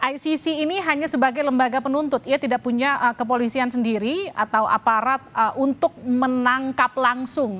icc ini hanya sebagai lembaga penuntut ya tidak punya kepolisian sendiri atau aparat untuk menangkap langsung